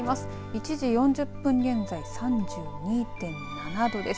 １時４０分現在３２．７度です。